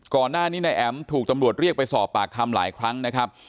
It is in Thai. ก่อนหน้านี้นายแอ๋มถูกตำรวจเรียกไปสอบปากคำหลายครั้งนะครับ